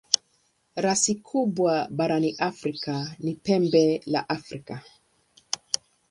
Rasi kubwa barani Afrika ni Pembe la Afrika.